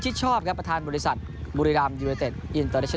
ก็สุดท้ายบุรูธ